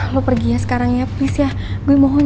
lo pergi ya sekarang ya please ya gue mohon